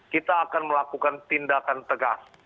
kita akan melakukan tindakan tegas